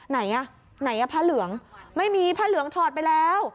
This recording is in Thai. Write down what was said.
ไหนอ่ะไหนอ่ะผ้าเหลืองไม่มีผ้าเหลืองถอดไปแล้ว